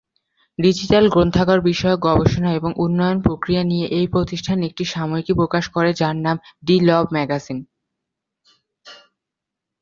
Digital গ্রন্থাগার বিষয়ক গবেষণা এবং উন্নয়ন প্রক্রিয়া নিয়ে এই প্রতিষ্ঠান একটি সাময়িকী প্রকাশ করে যার নাম "ডি-লিব ম্যাগাজিন"।